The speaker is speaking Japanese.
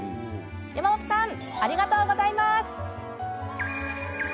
山本さん、ありがとうございます。